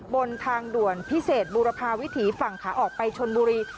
บนทางด่วนพิเศษบูรพาวิถีฝั่งขาออกไปชนบุรี